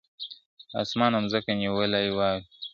اسمان او مځکه نیولي واوري ,